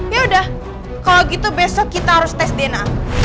ya udah kalau gitu besok kita harus tes dna